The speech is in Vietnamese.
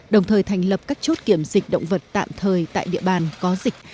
đồng thời thành lập các chốt kiểm dịch động vật tạm thời tại địa bàn có dịch